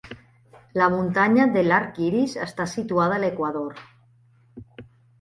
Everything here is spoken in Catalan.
La muntanya de l'Arc Iris està situada a l'Equador.